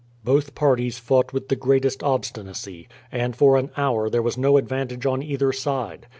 Both parties fought with the greatest obstinacy, and for an hour there was no advantage on either side.